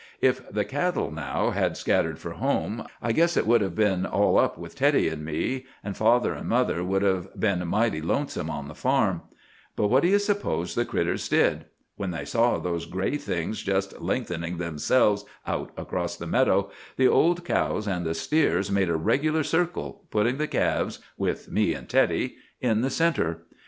"If the cattle, now, had scattered for home, I guess it would have been all up with Teddy and me, and father and mother would have been mighty lonesome on the farm. But what do you suppose the 'critters' did? When they saw those gray things just lengthening themselves out across the meadow, the old cows and the steers made a regular circle, putting the calves—with me and Teddy—in the centre.